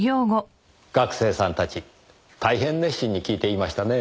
学生さんたち大変熱心に聞いていましたね。